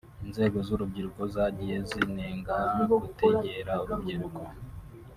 Inzego z’urubyiruko zagiye zinengwa kutegera urubyiruko